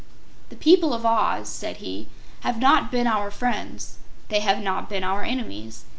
"The people of Oz," said he, "have not been our friends; they have not been our enemies.